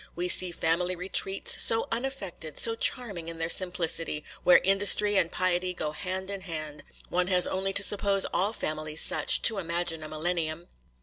We see family retreats, so unaffected, so charming in their simplicity, where industry and piety so go hand in hand! One has only to suppose all families such, to imagine a Millennium!